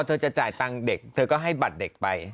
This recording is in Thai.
เธอจะจ่ายตังค์เด็กเธอก็ให้บัตรเด็กไป